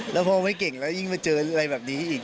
แล้วพอไม่เก่งแล้วยิ่งมาเจออะไรแบบนี้อีก